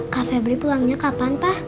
kafe brick pulangnya kapan pa